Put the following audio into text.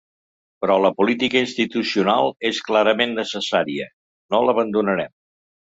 Però la política institucional és clarament necessària, no l’abandonarem.